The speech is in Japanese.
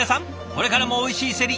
これからもおいしいせり